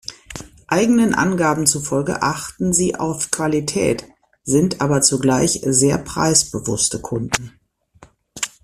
Eigenen Angaben zufolge achten sie auf Qualität, sind aber zugleich sehr preisbewusste Kunden.